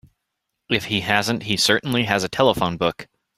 If he hasn't he certainly has a telephone book.